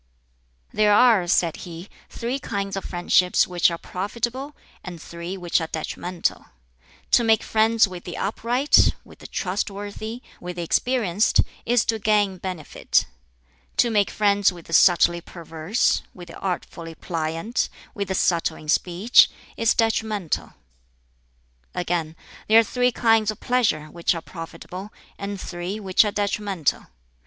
"There are," said he, "three kinds of friendships which are profitable, and three which are detrimental. To make friends with the upright, with the trustworthy, with the experienced, is to gain benefit; to make friends with the subtly perverse, with the artfully pliant, with the subtle in speech, is detrimental." Again, "There are three kinds of pleasure which are profitable, and three which are detrimental.